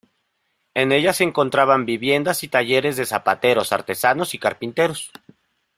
En ella se encontraban viviendas y talleres de zapateros, artesanos y carpinteros.